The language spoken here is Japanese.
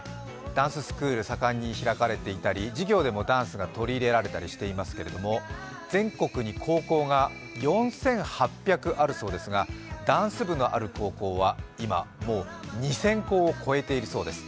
ダンススクール盛んに開かれていたり、授業でもダンスが取り入れられたりしていますけど全国に高校が４８００あるそうですがダンス部のある高校は今もう２０００校を超えているそうです。